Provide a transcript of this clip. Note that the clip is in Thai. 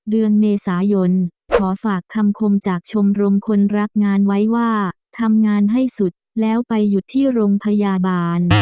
เดือนเมษายนขอฝากคำคมจากชมรมคนรักงานไว้ว่าทำงานให้สุดแล้วไปหยุดที่โรงพยาบาล